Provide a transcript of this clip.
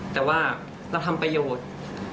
แต่ว่าเราทำประโยชน์